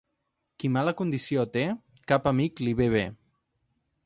Qui mala condició té, cap amic li ve bé.